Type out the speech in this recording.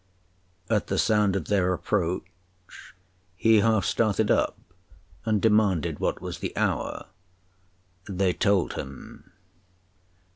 At the sound of their approach he half started up, and demanded what was the hour. They told him.